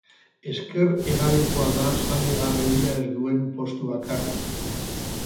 Ezker hegalekoa da jabe garbia ez duen postu bakarra.